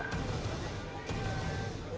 sebelumnya pada dua puluh lima februari lalu